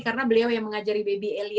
karena beliau yang mengajari baby alien